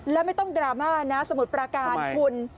แล้วไม่ต้องดราม่านะสมุทรปราการคุณ